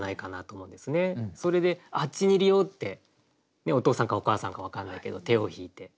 それで「あっちにいるよ！」ってお父さんかお母さんか分かんないけど手を引いて。